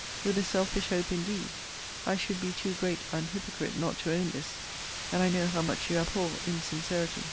With a selfish hope indeed: I should be too great an hypocrite not to own this! and I know how much you abhor insincerity.